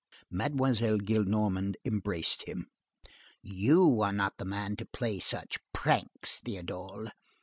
Mademoiselle Gillenormand embraced him. "You are not the man to play such pranks, Théodule.